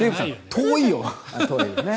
遠いよね。